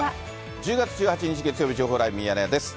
１０月１８日月曜日、情報ライブミヤネ屋です。